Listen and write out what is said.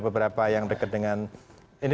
beberapa yang dekat dengan ini